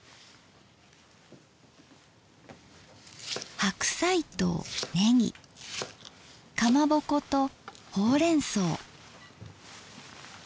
白菜とねぎかまぼことほうれんそう。